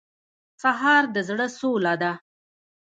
سهار د زړه سوله ده.